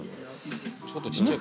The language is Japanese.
ちょっとちっちゃいか。